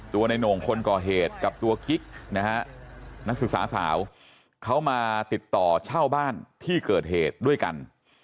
ในโหน่งคนก่อเหตุกับตัวกิ๊กนะฮะนักศึกษาสาวเขามาติดต่อเช่าบ้านที่เกิดเหตุด้วยกัน